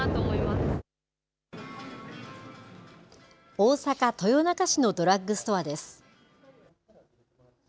大阪・豊中市のドラッグストアです。